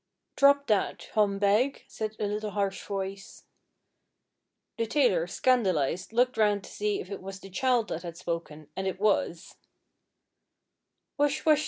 'Drop that, Hom Beg,' said a little harsh voice. The tailor, scandalised, looked round to see if it was the child that had spoken, and it was.